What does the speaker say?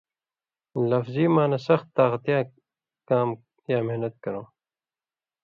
لفظی معنہ سخت طاقتیاں کام یا محنت کرؤں